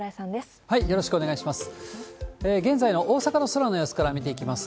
よろしくお願いします。